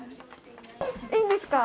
いいんですか？